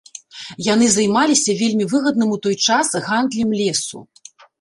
Яны займаліся вельмі выгадным у той час гандлем лесу.